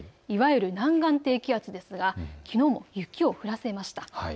いわゆる南岸低気圧ですがきのう、雪を降らせました。